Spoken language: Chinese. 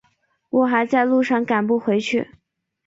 我还在路上赶不回去